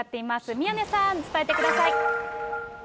宮根さん、伝えてください。